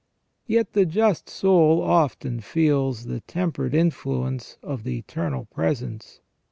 Yet the just soul often feels the tempered influence of the Eternal Presence.